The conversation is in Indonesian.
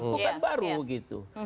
bukan baru gitu